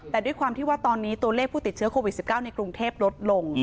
แต่ด้วยความที่ว่าตอนนี้ตัวเลขผู้ติดเชื้อโควิด๑๙ในกรุงเทพลดลง